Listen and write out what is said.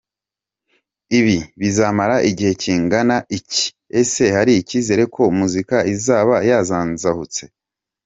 Ibi bizamara igihe kingana iki? Ese hari icyizere ko muzika izaba yazanzahutse?.